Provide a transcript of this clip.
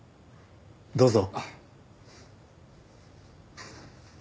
どうぞ。